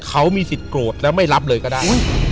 เขามีสิทธิโกรธแล้วไม่รับเลยก็ได้